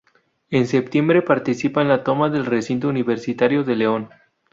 En septiembre participa en la toma del Recinto Universitario de León.